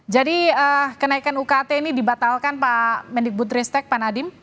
jadi kenaikan ukt ini dibatalkan pak mendik butristek pak nadiem